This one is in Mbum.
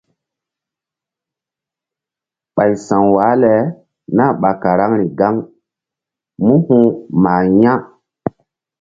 Ɓay sa̧w wah le nah ɓa karaŋri gaŋ mú huh mah ya̧.